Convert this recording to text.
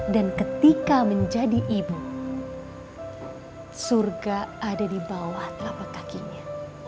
dan ketika menjadi ibu surga ada di bawah telapak kakinya